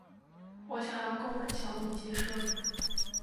我想要购买小米汽车。